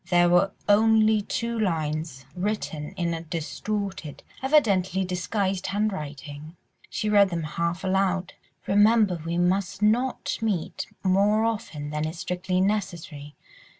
There were only two lines, written in a distorted, evidently disguised, handwriting; she read them half aloud— "'Remember we must not meet more often than is strictly necessary.